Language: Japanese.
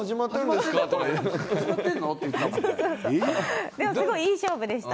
でもすごいいい勝負でした。